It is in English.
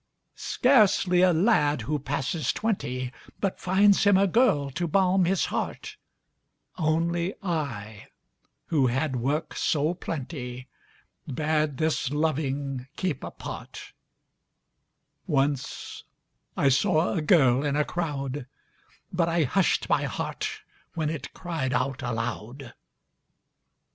Scarcely a lad who passes twentyBut finds him a girl to balm his heart; Only I, who had work so plenty, Bade this loving keep apart:Once I saw a girl in a crowd, But I hushed my heart when it cried out aloud.